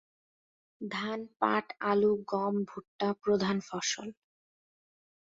ধান, পাট, আলু, গম, ভূট্টা প্রধান ফসল।